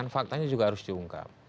faktanya juga harus diungkap